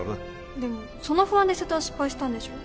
でもその不安で瀬戸は失敗したんでしょ？